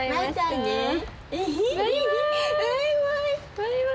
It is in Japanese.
バイバイ！